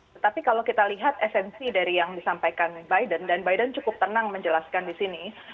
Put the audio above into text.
tetapi kalau kita lihat esensi dari yang disampaikan biden dan biden cukup tenang menjelaskan di sini